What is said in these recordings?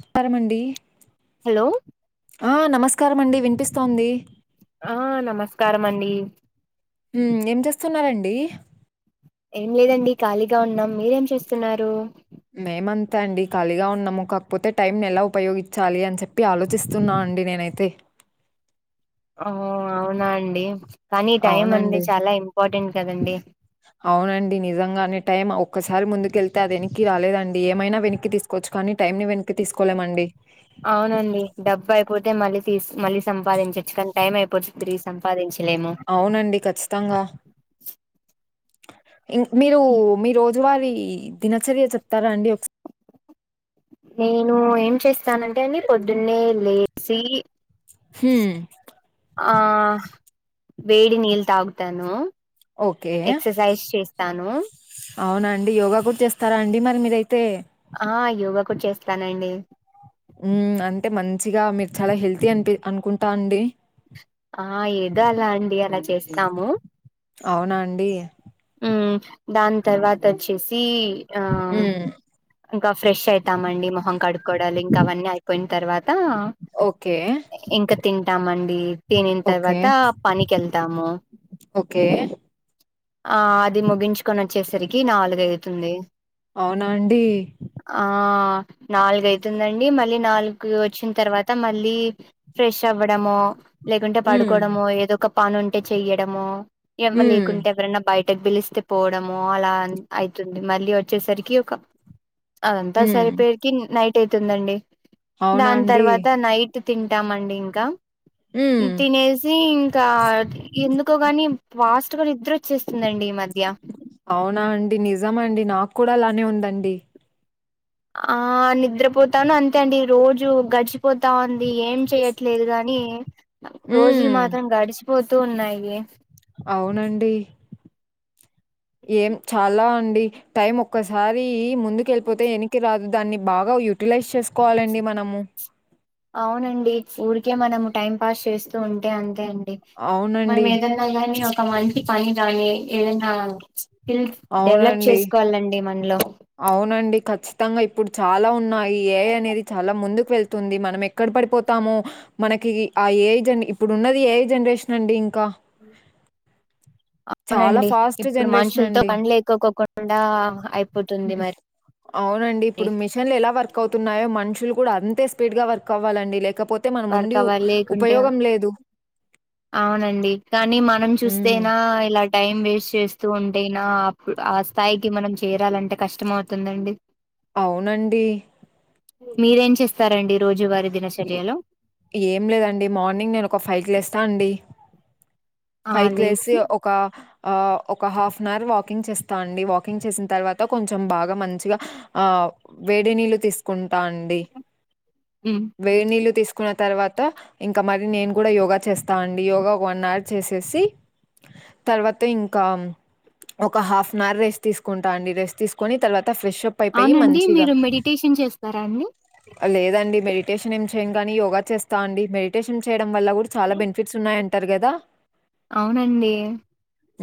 నమ్కరంమండి hello ఆనమస్కారం అండి వినిపిస్తోంది ఆ నమస్కార అండి వుఏం చేస్తున్నారండి ఏం లేదండి ఖాళీగ ఉన్నాం మీరేం చేస్తున్నారు మేమ అంతె అండి ఖాళీగ ఉన్నాము కాకపోతే టైమ్ ఎల ఉపయోగించాలి అని చెప్పి ఆలోచిస్తు చిసునం అండి నేనైతే ఆ అవునా అండి కానీ ఈ టైం అనేది అవునండి. చాల ఇంపార్టెంట్ కదండి అవునండి నిజంగనే టైం ఒక్కసారి ముందుకెళ్తే అది వెక్నికి రాలేదండి ఏమైన వెనక్కి తీసుకు కోవచ్చు కానీ టైమ్ ని వెనక్కి తీసుకోలేమండి అవునండి డబ్బు అయిపోతే మళ్ళీ తీసి మళ్ళీ సంపాదించచ్చు కానీ టైం అయిపోతే తిరిగి సంపాదించలేము అవునండి ఖచ్చితంగ ఇం మీరు మీ రోజువారి దినచర్య చెప్తార అండి ఒకసారి నేను ఏం చేస్తానంటే అండి పొద్దున్నే లేచి హ్మ్. ఆ వెడి నిల్ తాగుతాను ఎక్ససైజ్ చేస్తాను అవునండి యోగ కూడ చేస్తారండి మరి మీరయితే ఆ యోగ కూడ చేస్తానండి ఉ అంటే మంచిగ మీరు చాల హెల్తీ అనిపి అనుకుంటా అండి ఆ ఏదో అల అండి అల చేచినము అవునాండి ఉ దాని తర్వాత వచ్చేసి ఉ ఇంక ఫ్రెష్ అయితాం మండి మొహం కడుకొవడాాలు ఇంక అవన్నీ అయిపోయిన తర్వాత ఓకే ఇంక తింటామండి తినిన ఓకే. తర్వాత పనికి వెళ్తాము ఓకే ఆ అది ముగించుకొని వచ్చేసరికి నాలుగైతుంది అవునాండి ఆ నాలుగైతుందండి మళ్ళీ నాలుగు వచ్చిన తర్వాత మళ్ళీ ఫ్రెష్ అవ్వడమొ లేకుంటే హ్మ్. పడుకోవడము ఏదో ఒక పని ఉంటే చెయ్యడము హ్మ్. వెవరులేకుంటే ఎవరన్న బయటకు పిలిస్తే పోవడమొ అల అయితుంది మళ్ళీ వచ్చేసరికి ఒక అదంత్త హ్మ్. సరిపోయెకి నైట్ అయితుందండి అవునా దాని అండి? తర్వాత నై తింటామండి ఇంకా హ్మ్. తినేసి ఇంకా ఎందుకో గాని ఫాస్ట్గా నిద్ద్రొచ్చేస్తుందండి ఈ మధ్య అవునా అండి నిజమ అండి నాకు కూడా అలానే ఉందండి. ఆ నిద్రపోతాను అంతే అండి రోజు గడిచిపోతా ఉంది ఏం చెయట్లేదు గాని రోజులు హ్మ్. మాత్రం గడిచిపోతూ ఉన్నాయి. అవునండి ఏం చాలా అండి టైం ఒక్కసారి ముందుకి వెళ్ళిపోతే యెనాక్కి రాదు. దాన్ని బాగా యూటిలైజ్ చేసుకోవాలిండి మనము. అవునండి ఊరికే మనం టైం పాస్ చేస్తూ ఉంటే అంతే అండి మనం అవునండి. ఏద కానీ ఒక మంచి పని గాని ఏదైన్నా స్కీల్స్ డెవలప్ అవునండి. చేసుకోవాలండి మనలో అవునండి ఖచ్చితంగా ఇప్పుడు చాలా ఉన్నాయి ఏఐ అనేది చాలా ముందుకు వెళ్తు తొంది మనం ఎక్కడ పడిపోతామో మనకి ఆ ఏఐ ఇప్పుడు ఉన్నది ఏ జనరేషన్ అండి ఇంకా ఉ చాలా అవునండి ఫాస్ట్ ఇప్పుడు జనరేషన్ మనుషులతో అండి. పన్ లేకోకోకుండా అయిపోతుంది మరి న్లు ఎలా వర్క్ అవుతున్నాయో మనుషులు కూడా అంతే స్పీడ్ గా వర్క్ అవ్వాలండి లేకపోతే మనం వర్క్ ఉండి అవాల లేకుంటే ఉపయోగం లేదు. అవునండి కానీ మనం హ్మ్. చూస్తేనా ఇలా టైం వేస్ట్ చేస్తూ ఉంటేయినా ఆ స్థాయికి మనం చేరాలంటే కష్టం అవుతుందండి. అవునండి మీరేం చేస్తారండి రోజువారి ఇ దినచర్యలో? ఏం లేదండి మార్నింగ్ నేను ఒక ఫైకి లెస్తా అండి. ఆ ఫైకి లెసి లేసి ఒక ఆ ఒక హాఫ్ అన్ అవర్ వాకింగ్ చేస్తా అండి వాకింగ్ చేసిన తర్వాత కొంచెం బాగా మంచిగా ఆ వేడి నీళ్ళు తీసుకుంటా అండి. మ్ వేడి నీళ్లు తీసుకున్న తర్వాత ఇంకా మరి నేను కూడా యోగా చేస్తా అండి. యోగా వన్ అవర్ చేసేసి తర్వాత ఇంకా ఒక హాఫ్ అన్ అవర్ రెస్ట్ తీసుకుంటాండి రెస్ట్ తీసుకుని తర్వాత ఫ్రెష్ అప్ అయిపోయి అవునండి మంచిగా మీరు మెడిటేషన్ చేస్తారా అండి? లేదండి మెడిటేషన్ ఏం చేయను కాని యోగా చేస్తా అండి. మె డిటేషన్ చేయడం వల్ల కూడా చాలా బెనిఫిట్స్ ఉన్నాయంటారు కదా. అవునండి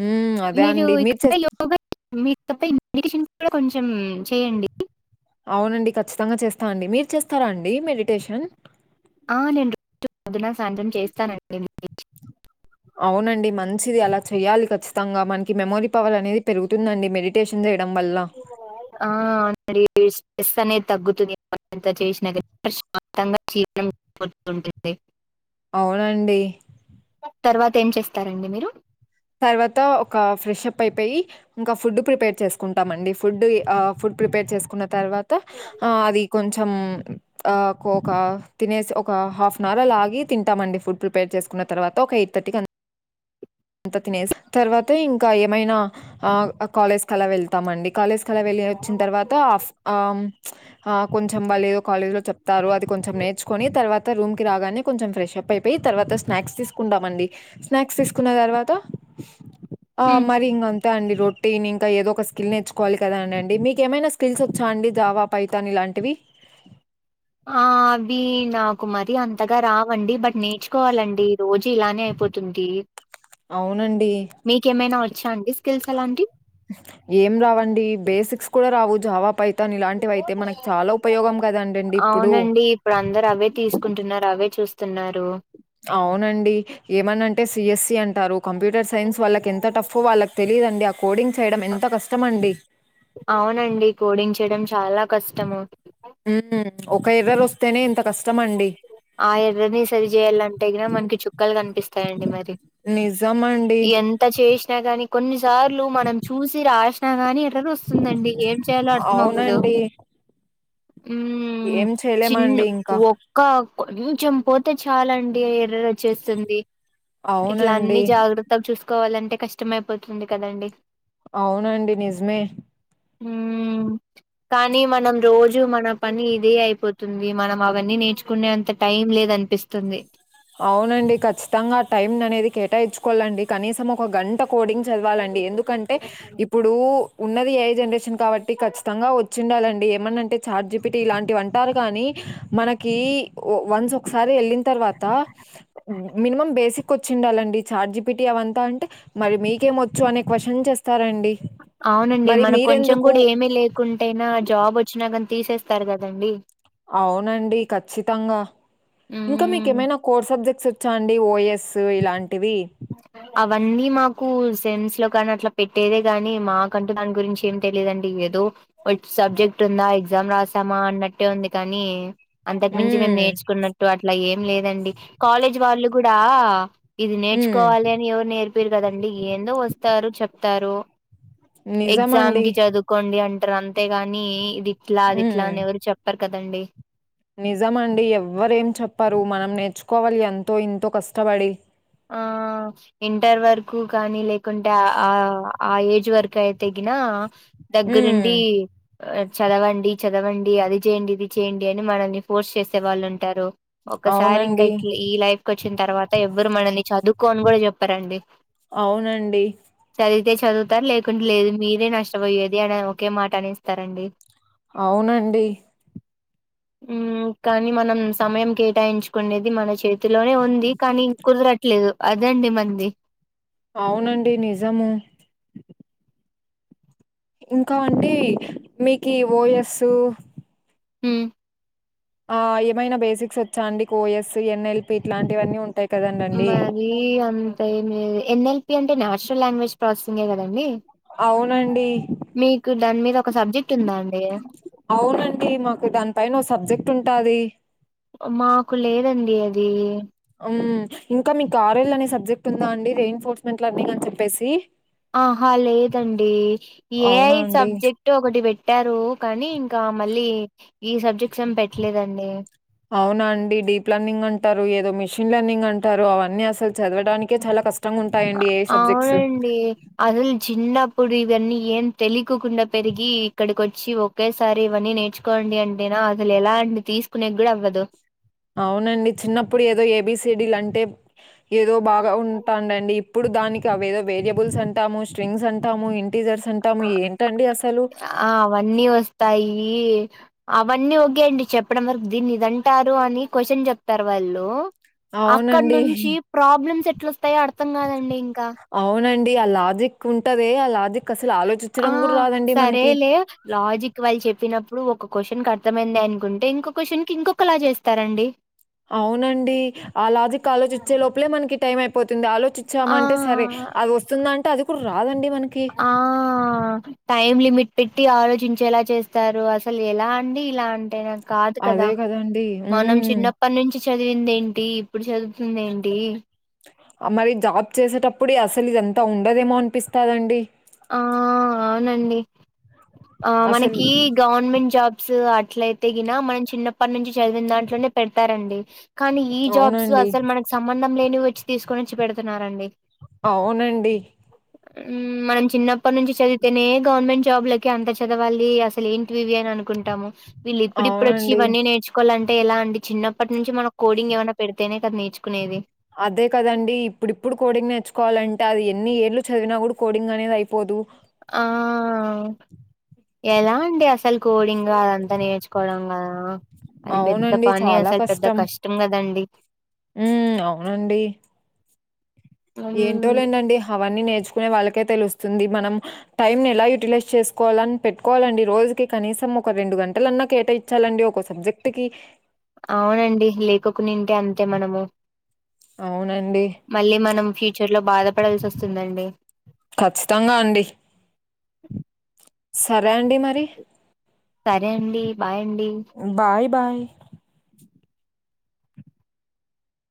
ఉమ్ అదే మీరు అండి ఇక్కడ చేస్త యోగ మీ తప్ప మేడిటేషన్ కూడా కొంచెం చేయండి అవునండి ఖచ్చితంగా చేస్తా అండి మీరు చేస్తారా అండి మెడిటేషన్? ఆ నేను రోజు పొద్దున్న, సాయంత్రం చేస్తానండి. అవునండి మంచిది అలా చెయాలి ఖచ్చితంగా మనకి మెమోరీ పవర్ అనేది పెరుగుతుందండి మెడి టేషన్ చేయడం వల్ల ఆ అరి స్ట్రెస్ అనేది తగ్గుతుందింత చేసినా ప్రశాంతంగా జీం [unintelligible] అవునండి తర్వాత ఏం చేస్తారండి మీరు? తర్వాత ఒక ఫ్రెష్ అప్ అయిపోయి ఇంకా ఫుడ్ ప్రిపేర్ చేసుకుంటామండి ఫుడ్ ఆ ఫుడ్ ప్రిపేర్ చేసుకున్న తర్వాత ఆ అది. కొంచెం ఆ ఒక తినేసి ఒక హాఫ్ అన్ అవర్ అలాగి తింటామండి ఫుడ్ ప్రిపేర్ చేసుకున్న తర్వాత ఒక ఎయిట్ థర్టీకి అ అంత తినేసి తర్వాత ఇంకా ఏమైనా, ఆ కాలేజ్ కలా వెళ్తామండి కాలేజ్ కలా వెళ్ళి వచ్చిన తర్వాత ఆఫ ఆమ్, ఆ కొంచెం వాళ్ళు ఏదో కాలేజ్ లో చెప్తారు అది కొంచెం నేర్చుకొని తర్వాత, రూమ్ కి రాగానే కొంచెం ఫ్రెష్ అప్ అయిపోయి తర్వాత స్నాక్స్ తీసుకుంటామండి స్నాక్స్ తీసుకు, కున్న తర్వాత ఆ హ్మ్. మరి ఇంగాన్, అా అండి రొటీని ఇంకా ఏదో ఒక స్కిల్ నేర్చుకోవాలి కదా అండ అండి మీకు ఏమైనా స్కిల్స్ వచ్చా అండి జవా పైతాన్ ఇలాంటివి. ఆ అవి నాకుమరి అంతగా రావండి బట్ నేను, నేచ్చుకోవాలండి రోజు ఇలానే అయిపోతుంది. అవునండి. మీకేమైనా వచ్చా అండి స్కిల్స్ ఎలాంటి. ఏం రావండి బేసిక్స్ కూడా రావు జావా పైథా. త్తన్ ఇలాంటివి అయితే మనకు చాలా ఉపయోగం కదండడిండి ఇప్పుడు, అవునండి ఇప్పుడు అందరు అవే తీసుకుంటున్నారు అవే చూస్తున్నారు. అవునండి ఏమన అంటే సిఎస్సి అంటారు కంప్యూటర్ సైన్స్ వాళ్ళకి ఎంత టఫ్ వాళ్ళకి తె, లేదండి ఆ కోడింగ్ చేయడం ఆ ఎంత కష్టమ అండి. అవునండి కోడింగ్ చేయడం చాలా కష్టము. ఉ ఒక ఎర్రర్ వస్తేనే ఇంత ఇహ. ఆ ఎర్రని సరి చేయాలంటే కిన మనకి చుక్కాలు కనిపిస్తాయంండి మరి, నిజమండి. ఇంత చేసినా గాని కొన్నిసార్లు మనం చూసి రాసినా గాని ఎర్రర్ వస్తుంది. వస్తుందండి ఏం చేయాలో అర్థం అవ్వదు. అవునండి. ఉమ్ ఏం చిన్న చేయలేమండి ఇంకా. ఒక్క కొంచెం పోతే చాల అండిఎర్ర, వచ్చేస్తుంది ఇట్లా అన్ని అవునండి. జాగ్రత్తగా చూసుకోవాలంటే కష్టమయిపోతుంది కదండి. అవునండి నిజమే, కానీ మనం రోజు మన పని ఇదే అయిపోతుంది మనం, అవన్నీ నేర్చుకునే అంత టైం లేద అనిపిస్తుంది. అవునండి ఖచ్చితంగా టైమ్ అనేది కేటాయించుకోవాలండి కనీసం ఒక గంట, కోడింగ్స్ చదవాలండి ఎందుకంటే ఇప్పుడు, ఇప్పుడు ఉన్నది ఏ ఐ జనరేషన్ కాబట్టి కచ్చితంగా వచ్చిండాలండి ఏమన్నా అంటే ఛార్జ. ఇటి ఇలాంటివి అంటారు గాని మనకి వన్స్ ఒకసారి వెళ్ళిన తర్వాత, మినిమం బేసిక్ వచ్చిండాలండి చార్జిపిటి అవంతా అంటే, మరి మీకే వచ్చు అనే కొచ్చిన్స్ చేస్తారంండి. అవునండి మనకు కొంచెం కూడా ఏమిీ లేకుంట అనా జాబ్ వచ్చినా కాని తీసేస్తారు కదండి. అవునండి ఖచ్చితంగా, ఇంకా మీక ఉమ్ ఏమైనా కోర్స్ సబ్జెక్ట్స్ వచ్చా అండి ఓఎఎస్ ఇలాంటివి. అవన్నీ మాకు సెమ్స్లో లో కానీ అట్లా పెట్టేదే కాగాని మాకంటూ దాని గురించి ఏం తెలియదండి ఏదో, వట్ సబ్జెక్ట్ ఉందా ఎగ్జామ్ రాసామా అన్నట్టే ఉంది కానీ, అంతకుమించి మేము హ్మ్. నేర్చుకున్నట్టు అట్లా ఏం లేదండి కాలేజీ వాళ్ళు కూడా, ఇది హ్మ్. నేర్చుకోవాలి అని ఎవరు నేర్పిరు కదండి ఏందో వస్తారు చెప్తారు. ఎగ్జమ్ నిజమండి. కి చదువు. కోండి అంటారు అంతేగాని ఇదిట్లా అది ఇట్లా అని ఎవరు చెప్పారు కదండి. నిజమ అండి ఎవ్వర ఏం చెప్పరు మనం నేర్చుకోవాలి ఎంతో ఇంతో కష్టపడి. ఆ ఇంటర్ వరకు కానీ లేకుంటే ఆ ఆ ఏజ్ వరకు అయితేగినా హ్మ్. దగ్గరుండి చదవండి చదవండి అది చేయండి ఇది చేయండి అని మనల్ని ఫోర్స్ చేసే వాళ్ళుంటారు ఒకసారి ఇంకా అవునండి. ఇట్ ఈ లైఫ్కి వచ్చిన తర్వాత ఎవ్వరు మనల్ని చదువుకో అని కూడా చెప్పరండి అవునండి చదివితే చదువుతారు లేకుంటే లేదు మీరే నష్టపోయేది అని ఒకే మాట అనేస్తారండి అవునండి ఉమ్మ్ కానీ మనం సమయం కేటాయించుకునేది మన చేతిలోనే ఉంది కానీ కుదరట్లేదు అదండి మంది అవునండి నిజము ఇంకా అండి మీకు ఓయస్ ఉమ్ ఆ ఏమైనా బేసిక్స్ వచ్చా అండి ఓయస్ ఎన్ఎల్పి ఇట్లాంటివన్నీ ఉంటాయి కదండండి రి అంత ఏం లేదు ఎన్ఎల్పి అంటే నేషనల్ లాంగ్వేజ్ ప్రాసెసింగే కదండి అవునండి. మీకు దాని మీద ఒక సబ్జెక్ట్ ఉందా అండి అవునండి మాకు దానిపైన ఓ సబ్జెక్ట్ ఉంటాది మాకు లేదండి అది ఉమ్మ్ ఇంకా మీకు ఆర్ఎల్ అనే సబ్జెక్ట్ ఉందా అండి రేయ్ ఎన్ఫోర్స్మెంట్ లర్నింగ్ అని చెప్పేసి ఆహా లేదండి అవునా ఏఐ అండి? సబ్జెక్ట్ ఒకటి పెట్టారు కానీ ఇంకా మళ్ళీ ఈ సబ్జెక్ట్స్ ఏమి పెట్టలేదండి అవునా అండి డీప్ లర్నింగ్ అంటారు ఏదో మిషిన్ లర్నింగ్ అంటారు అవన్నీ అసలు చదవడానికే చాలా కష్టం గా ఉంటాయండి ఏఐ సబ్జెక్ట్స్ అవునండి అసలు చిన్నప్పుడు ఇవన్నీ ఏం తెలియకోకుండా పెరిగి ఇక్కడికి వచ్చి ఒకేసారి ఇవన్నీ నేర్చుకోండి అంటేనా అసలు ఎలా అండి తీసుకునేకి కూడా అవ్వదు అవునండి చిన్నప్పుడు ఏదో ఏబిసిడీలు అంటే ఏదో బాగా ఉంటాండండి ఇప్పుడు దానికి అవేదో వేరియబుల్స్ అంటాము స్ట్రింగ్స్ అంటాము ఇంటిజర్స్ అం టము ఆ ఏంటండి అసలు ఆ అవన్నీ వస్తాయి అవన్నీ ఒకే అండి చెప్పడం వరకు దీన్ని ఇదంటారు అని క్వశ్చన్ చెప్తారు వాళ్ళు అక్కడ అవునండి. నుంచి ప్రాబ్లమ్స్ ఎట్లొస్తాయో అర్థం కాదండి ఇంకా అవునండి ఆ లాజిక్ ఉంటదే ఆ లాజిక్ అసలు ఆలోచ ఆ సరేలే లాజిక్ వాళ్ళు చెప్పినప్పుడు ఒక క్వశ్చన్కి అర్థమైంది అనుకుంటే ఇంకో క్వశ్చన్కి ఇంకొకలా చేస్తారండి అవునండి ఆ లాజిక్ ఆలోచిచే లోపలే మనకి టైం అయిపో పోతుంది ఆలోచించామంటే సరే ఆ అది వస్తుంది అంటే అది కూడా రాదండి మనకి ఆ టైమ్ లిమిట్ పెట్టి ఆలోచించేలా చేస్తారు అసలు ఎలా అండి ఇలా అంటే కాదు కదా అదే కదండీ! మనం హ్మ్. చిన్న ప్పటి నుంచి చదివింది ఏంటి ఇప్పుడు చదువుతుంది ఏంటి మరి జాబ్ చేసేటప్పుడే అసలు ఇదంతా ఉండదేమో అనిపిస్తదండి ఆ అవునండి ఆ అసలు మనకి గవర్నమెంట్ జాబ్స్ అట్ల అయితే గిన మనం చిన్నప్పటి నుంచి చదివిన దాంట్లోనే పెడతారండి కానీ ఈ జాబ్స్ అవునండి. అసలు మనకు సంబంధం లేనివి వచ్చి తీసుకొని వచ్చి పెడుతన్నారండి అవునండి ఉమ్మ్ మనం చిన్నప్పటి నుంచి చదివితేనే గవర్నమెంట్ జాబ్లకి అంత చదవాలి అసలు ఏంటివి ఇవి అనుకుంటాము వీళ్ళు ఇప్పుడిప్పుడు వచ్చి అవునండి. ఇవన్నీ నేర్చుకోవాలంటే ఎలా అండి చిన్నప్పటి నుంచి మనకు కోడింగ్ ఏమన పెడితేనే సార్ నేర్చుకునేది అదే కదండి ఇప్పుడిప్పుడు కోడింగ్ నేర్చుకోవాలంటే అది ఎన్ని ఏడ్లు చదివినా కూడా కోడింగ్ అనేది అయిపోదు ఆ ఎలా అండి అసలు కోడింగ్ ఇగఅదంతా నేర్చుకోవడం కదా అది పెద్ద అవునండి. పని చాలా అసలు పెద్ద కష్టం కదండి ఉ అవునండి ఏంటో హ్మ్. లేండండి హవీ నేర్చుకునే వాళ్ళకే తెలుస్తుంది మనం టైమ్ ఎలా యుూలైజ్ చేసుకోవాలని పెట్టుకోవాలండి రోజుకి కనీసం ఒక రెండు గంటలన్నా కేటాయి ఇచ్చాలండి ఒక సబ్జెక్ట్ కి అవునండి లేకకు నింటే అంతే మనము అవునండి. మళ్ళీ మనం ఫ్యూచర్ లో బాధపడాల్సి వస్తుందండి ఖచ్చితంగా అండి సరే అండి మరి సరే అండి బాయండి బాయ్ బాయ్